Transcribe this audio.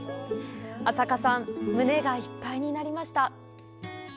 朝加さん、胸がいっぱいになりました。